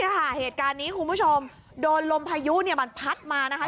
เหตุการณ์นี้คุณผู้ชมโดนลมพายุเนี่ยมันพัดมานะคะ